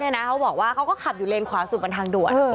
เขาบอกว่าเขาก็ขับอยู่เลนขวาสุดบนทางด่วน